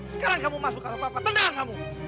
sekarang kamu masuk sama papa tendang kamu